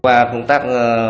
qua công tác